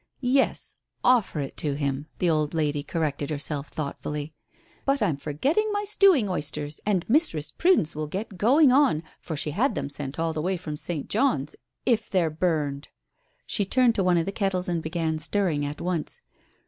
"Yes, offer it to him," the old lady corrected herself thoughtfully. "But I'm forgetting my stewing oysters, and Mistress Prudence will get going on for she had them sent up all the way from St. John's if they're burned." She turned to one of the kettles and began stirring at once.